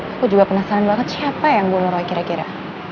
aku juga penasaran banget siapa yang bunuroi kira kira